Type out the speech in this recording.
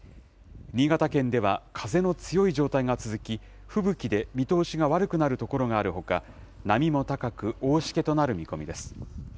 新潟県では風の強い状態が続き、吹雪で見通しが悪くなる所があるほか、波も高く、大しけとなる見込みです。